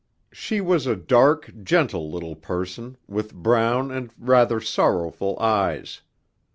She was a dark, gentle little person, with brown, and rather sorrowful, eyes.